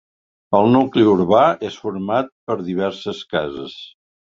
El nucli urbà és format per diverses cases.